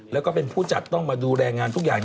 แล้วก็เป็นผู้จัดต้องมาดูแลงานทุกอย่าง